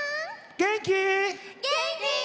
元気！